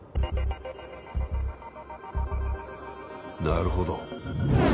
なるほど。